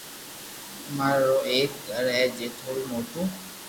امرا رو ايڪ گِر ھي جي ٿورو موٿو